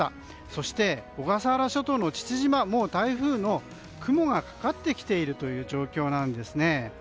そして小笠原諸島の父島はもう台風の雲がかかってきている状況なんですね。